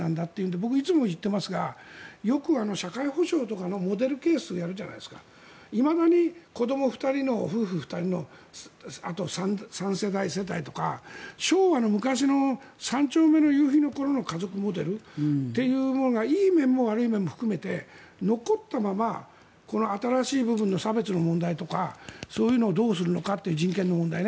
僕、いつも言っていますがよく社会保障とかのモデルケースをやるじゃないですかいまだに子ども２人の夫婦２人の３世代世帯とか昭和の昔の「三丁目の夕日」の頃の家族モデルっていうものがいい面も悪い面も含めて残ったままこの新しい部分の差別の問題とかそういうのをどうするのかという人権の問題。